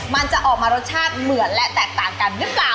มันจะออกมารสชาติเหมือนและแตกต่างกันหรือเปล่า